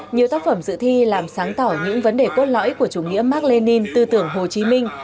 nhiều tác phẩm dự thi làm sáng tỏ những vấn đề cốt lõi của chủ nghĩa mark lenin tư tưởng hồ chí minh